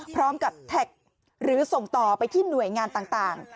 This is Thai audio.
พร้อมกับแท็กหรือส่งต่อไปที่หน่วยงานต่าง